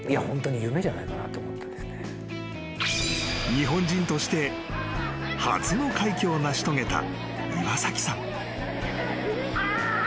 ［日本人として初の快挙を成し遂げた岩崎さん］